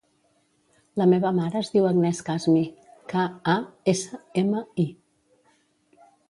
La meva mare es diu Agnès Kasmi: ca, a, essa, ema, i.